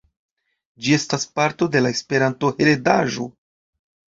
Ĝi estas parto de la Esperanto-heredaĵo.